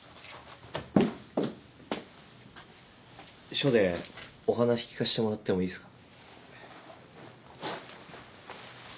署でお話聞かせてもらってもいいっすか？